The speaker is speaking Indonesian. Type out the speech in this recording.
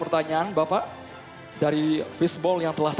saya ingin memreibim gambarnya untuk open